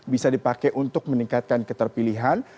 bisa dipakai untuk meningkatkan keterpilihan